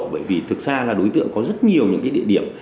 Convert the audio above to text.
bởi vì thực ra là đối tượng có rất nhiều những cái địa điểm